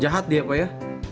jahat dia apa ya